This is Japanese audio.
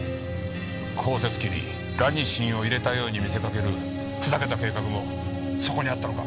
降雪機にラニシンを入れたように見せかけるふざけた計画もそこにあったのか？